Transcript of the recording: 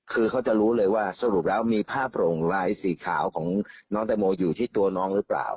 คือเขาจะรู้เลยว่าสรุปแล้วมีผ้าโปร่งลายสีขาวของน้องแตงโมอยู่ที่ตัวน้องหรือเปล่า